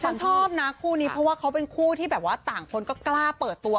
ฉันชอบนะคู่นี้เพราะว่าเขาเป็นคู่ที่แบบว่าต่างคนก็กล้าเปิดตัว